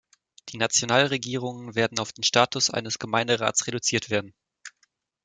Die Nationalregierungen werden auf den Status eines Gemeinderats reduziert werden.